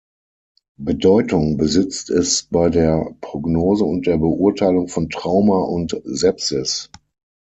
Bedeutung besitzt es bei der Prognose und der Beurteilung von Trauma und Sepsis.